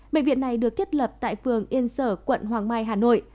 bệnh viện này được thiết lập tại phường yên sở quận hoàng mai hà nội